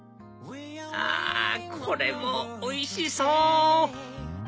あこれもおいしそう！